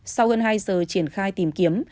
sau hơn hai giờ triển khai tìm kiếm